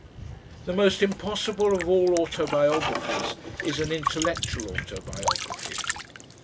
The most impossible of all autobiographies is an intellectual autobiography.